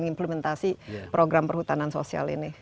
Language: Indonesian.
untuk mengimplementasi program perhutanan sosial ini